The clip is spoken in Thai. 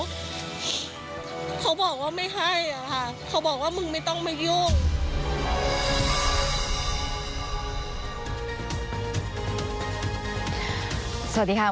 ควิทยาลัยเชียร์สวัสดีครับ